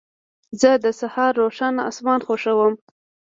زه د سهار روښانه اسمان خوښوم.